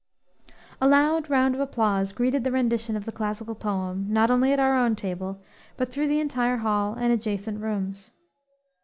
"_ A loud round of applause greeted the rendition of the classical poem, not only at our own table, but through the entire hall and adjacent rooms.